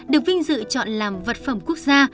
được vinh dự chọn làm vật phẩm quốc gia